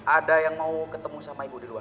ada yang mau ketemu sama ibu di luar